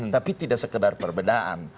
tapi tidak sekedar perbedaan